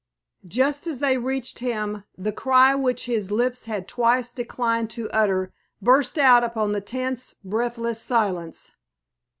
Just as they reached him the cry which his lips had twice declined to utter burst out upon the tense, breathless silence.